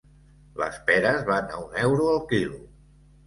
Les peres van a un euro el quilo.